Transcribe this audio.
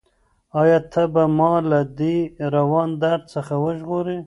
ایا ته به ما له دې روان درد څخه وژغورې؟